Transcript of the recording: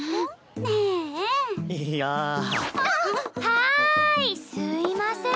はいすいません。